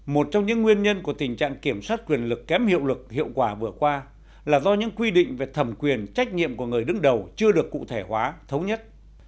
một trong những nguyên nhân của tình trạng kiểm soát quyền lực kém hiệu lực hiệu quả vừa qua là do những quy định về thẩm quyền trách nhiệm của người đứng đầu chưa được cụ thể hóa thống nhất